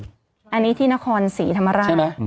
นี่ได้เก็บนี่ที่นครสีธรรมราต